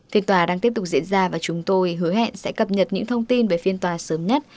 phiên tòa đang tiếp tục diễn ra và chúng tôi hứa hẹn sẽ cập nhật những thông tin về phiên tòa sớm nhất